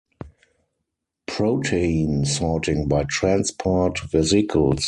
Protein sorting by transport vesicles.